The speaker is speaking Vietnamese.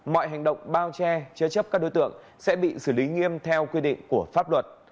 mọi hành động bao che chế chấp các đối tượng sẽ bị xử lý nghiêm theo quy định của pháp luật